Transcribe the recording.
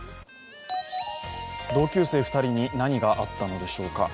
同級生２人に何があったのでしょうか。